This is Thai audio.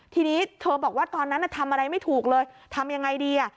ทีนี้เธอบอกว่าตอนนั้นทำอะไรไม่ถูกเลยทำยังไงดีอ่ะ